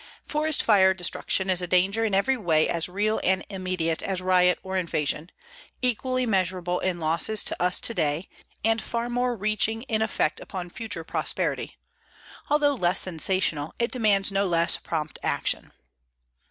_Forest fire destruction is a danger in every way as real and immediate as riot or invasion, equally measurable in losses to us today and more far reaching in effect upon future prosperity. Although less sensational, it demands no less prompt action.